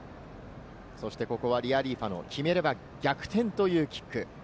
ここはリアリーファノ、決めれば逆転というキック。